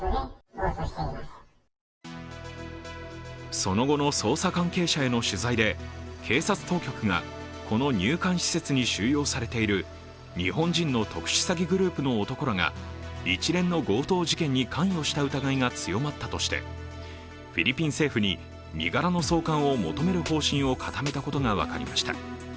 その後の捜査関係者への取材で警察当局がこの入管施設に収容されている日本人の特殊詐欺グループの男らが一連の強盗事件に関与した疑いが強まったとしてフィリピン政府に身柄の送還を求める方針を固めたことが分かりました。